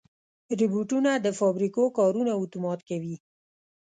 روبوټونه د فابریکو کارونه اتومات کوي.